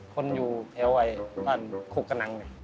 คนอยู่แถวในกิกกับนาง